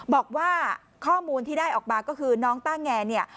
บอกว่าข้อมูลที่ได้ออกมาก็คือน้องต้าแงเนี่ย